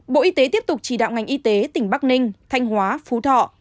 bộ y tế tiếp tục chỉ đạo ngành y tế tỉnh bắc ninh thanh hóa phú thọ